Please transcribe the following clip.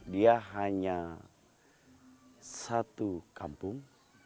dia hanya satu kampung